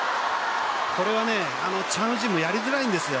これは、チャン・ウジンもやりづらいんですよ。